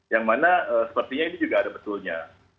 yang mana sepertinya ini juga ada betulnya